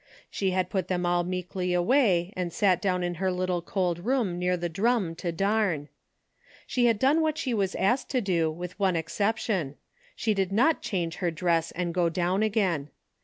She had put them all meekly away and sat down in her little cold room near the drum to darn. She had done what she was asked to do with one exception. She did not change her dress and go down again.